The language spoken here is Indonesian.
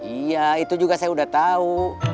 iya itu juga saya sudah tahu